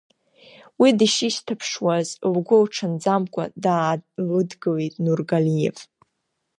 Уи дышишьҭаԥшуаз, лгәы лҽанӡамкәа даалыдгылеит Нургалиев.